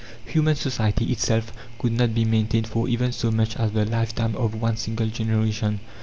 Human society itself could not be maintained for even so much as the lifetime of one single generation.